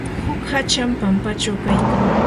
huk hacham pampachaw kaykan.